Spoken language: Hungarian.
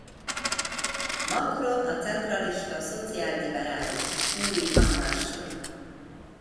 Macron a centrista szociálliberális új En Marche!